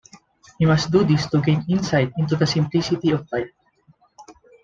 He must do this to gain insight into the simplicity of life.